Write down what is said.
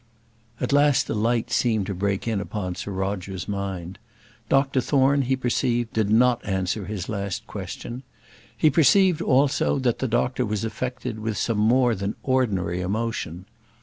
At last a light seemed to break in upon Sir Roger's mind. Dr Thorne, he perceived, did not answer his last question. He perceived, also, that the doctor was affected with some more than ordinary emotion.